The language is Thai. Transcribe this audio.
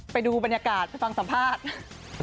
ไปดูบรรยากาศไปฟังสัมภาษณ์